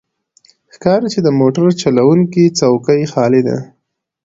ښکاري چې د موټر چلوونکی څوکۍ خالي ده.